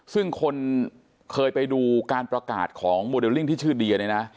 ซึ่งคนเคยไปดูการประกาศของโมเดลลิ่งที่ชื่อเดียเนี่ยนะ